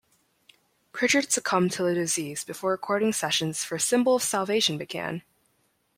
Prichard succumbed to the disease before recording sessions for "Symbol of Salvation" began.